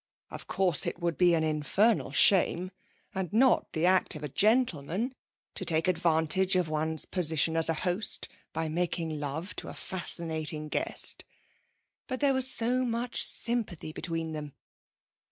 Of course it would be an infernal shame, and not the act of a gentleman, to take advantage of one's position as a host by making love to a fascinating guest. But there was so much sympathy between them!